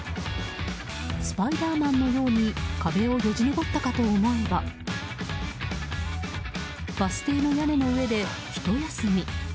スパイダーマンのように壁をよじ登ったかと思えばバス停の屋根の上で、ひと休み。